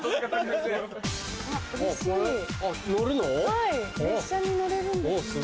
はい列車に乗れるんですね。